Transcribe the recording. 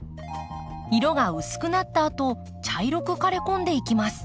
色が薄くなったあと茶色く枯れこんでいきます。